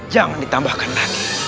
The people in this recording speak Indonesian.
jangan ditambahkan lagi